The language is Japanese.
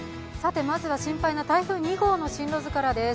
まずは心配な台風２号の進路図からです。